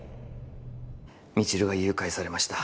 未知留が誘拐されました